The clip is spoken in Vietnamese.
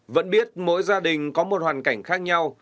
vẫn biết mỗi gia đình có một hoàn cảnh khác nhau